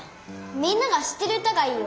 みんなが知ってる歌がいいよ。